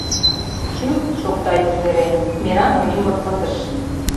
— Шӱлт!.. шокта ик вере — мераҥын ӱмыр пытыш.